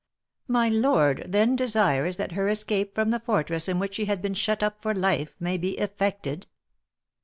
"My lord, then, desires that her escape from the fortress in which she had been shut up for life may be effected?"